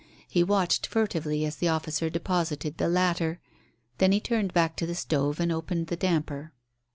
He watched furtively as the officer deposited the latter; then he turned back to the stove and opened the damper.